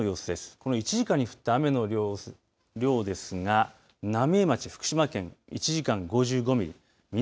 この１時間に降った雨の量ですが浪江町福島県１時間５５ミリ